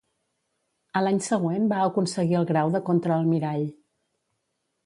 A l'any següent va aconseguir el grau de contraalmirall.